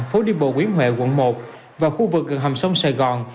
phố đi bộ nguyễn huệ quận một và khu vực gần hầm sông sài gòn